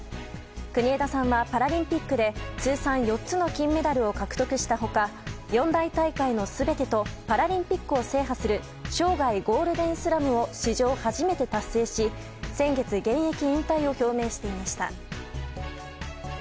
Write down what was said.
国枝さんは、パラリンピックで通算４つの金メダルを獲得した他四大大会の全てとパラリンピックを制覇する生涯ゴールデンスラムを史上初めて達成し先月、現役引退を表明していました。